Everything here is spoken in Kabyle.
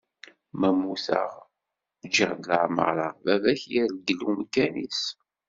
Ma mmuteγ ǧiγ-d leɛmara, baba-k irgel umkan-is.